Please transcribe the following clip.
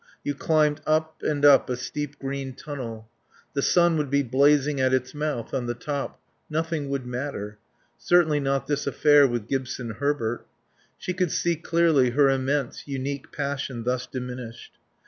You climbed up and up a steep green tunnel. The sun would be blazing at its mouth on the top. Nothing would matter. Certainly not this affair with Gibson Herbert. She could see clearly her immense, unique passion thus diminished.